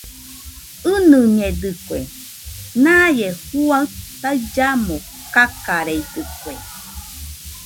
ɨnɨñedɨkue, naie juaɨ taillamo kakareidɨkue